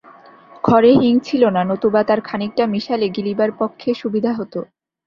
ঘরে হিং ছিল না, নতুবা তার খানিকটা মিশালে গিলিবার পক্ষে সুবিধা হত।